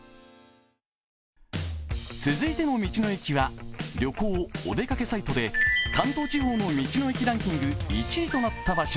続いての道の駅は旅行・おでかけサイトで関東地方の道の駅ランキングで１位となった場所。